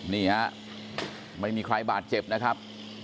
นี่ฮะไม่มีใครบาดเจ็บนะครับ